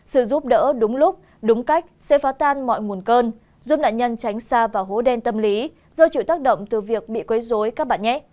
sự giúp đỡ đúng lúc đúng cách sẽ phá tan mọi nguồn cơn giúp nạn nhân tránh xa vào hố đen tâm lý do chịu tác động từ việc bị quấy dối các bạn nhé